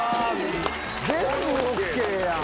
全部ＯＫやん！